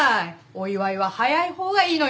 お祝いは早い方がいいのよ。